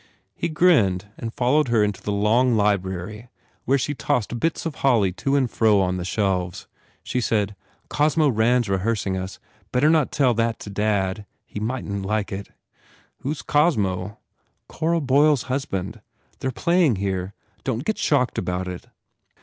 He grinned and followed her into the long library where she tossed bits of holly to and fro 115 THE FAIR REWARDS on the shelves. She said, "Cosmo Rand s re hearsing us. Better not tell that to dad. He mightn t like it." "Who s Cosmo?" "Cora Boyle s husband. They re playing here. Don t get shocked about it."